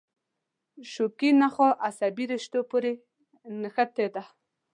شوکي نخاع عصبي رشتو پورې نښتې ده.